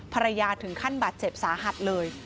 ภรรยาถึงขั้นบัตรเจ็บสาหัดเลย